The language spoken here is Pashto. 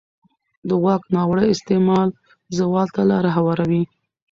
د واک ناوړه استعمال زوال ته لاره هواروي